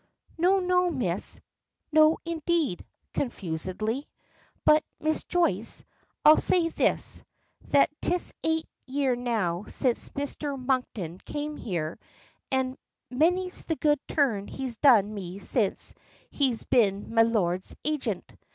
"No, no, Miss! No, indeed!" confusedly. "But, Miss Joyce, I'll say this, that 'tis eight year now since Misther Monkton came here, an' many's the good turn he's done me since he's been me lord's agint.